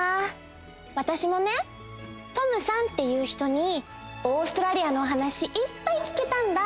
わたしもねＴｏｍさんっていう人にオーストラリアのお話いっぱい聞けたんだ！